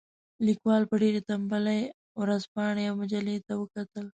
لیکوال په ډېرې تنبلۍ ورځپاڼې او مجلې ته وکتل.